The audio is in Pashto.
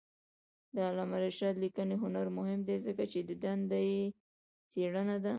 د علامه رشاد لیکنی هنر مهم دی ځکه چې دنده یې څېړنه ده.